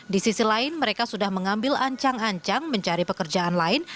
di sisi lain mereka sudah mengambil ancang ancang mencari pekerjaan lain